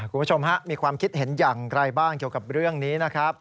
คุณผู้ชมฮะมีความคิดเห็นอย่างไรบ้างเกี่ยวกับเรื่องนี้นะครับ